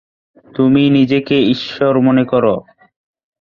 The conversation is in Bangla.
তুমি নিজেকে ঈশ্বর মনে করো?